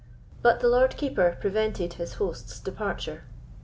But the Lord Keeper prevented his host's departure.